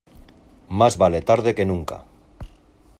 Más vale tarde que nunca.